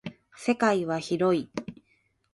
世界は広い。